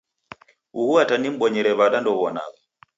Uhu ata nimbonyere wada ndew'onagha